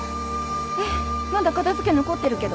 えっまだ片付け残ってるけど。